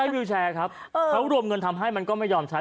เพราะรวมเงินทำให้มันก็ไม่ยอมใช้